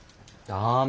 ダメ。